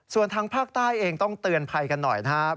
ส่วนทางภาคใต้เองต้องเตือนภัยกันหน่อยนะครับ